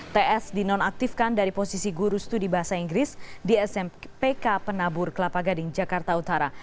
ts dinonaktifkan dari posisi guru studi bahasa inggris di smpk penabur kelapa gading jakarta utara